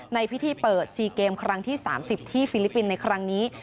ในพิธีเปิด๔เกมครั้งที่๓๐ที่ฟิลิปปินส์ในครั้งนี้